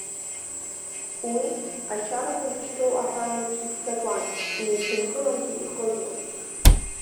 Уи, ашьарақәа зышьҭоу аҳәан еиԥш, иццакуан, инеиԥынкылангьы иҟыжуан.